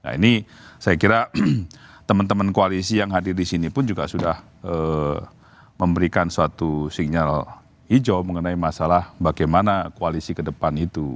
nah ini saya kira teman teman koalisi yang hadir di sini pun juga sudah memberikan suatu sinyal hijau mengenai masalah bagaimana koalisi ke depan itu